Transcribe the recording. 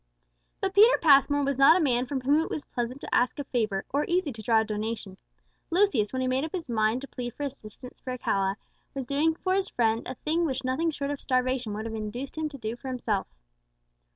But Peter Passmore was not a man from whom it was pleasant to ask a favour, or easy to draw a donation. Lucius, when he made up his mind to plead for assistance for Alcala, was doing for his friend a thing which nothing short of starvation would have induced him to do for himself.